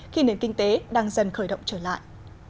khi nền kinh tế đang dần khởi động trở lại